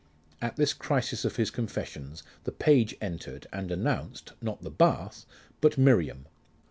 At this crisis of his confessions the page entered, and announced, not the bath, but Miriam.